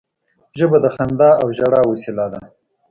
ژبه د خندا او ژړا وسیله ده